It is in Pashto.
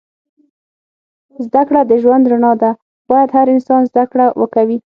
زده کړه د ژوند رڼا ده. باید هر انسان زده کړه وه کوی